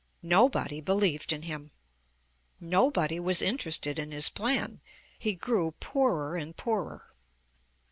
Nobody believed in him. Nobody was interested in his plan. He grew poorer and poorer.